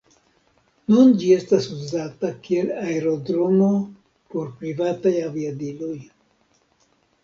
Nun ĝi estas uzata kiel aerodromo por privataj aviadiloj.